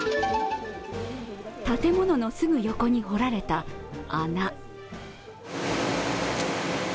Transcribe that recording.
建物のすぐ横に掘られた穴。